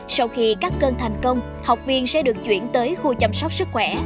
sau khi các cơn thành công học viên sẽ được chuyển tới khu chăm sóc sức khỏe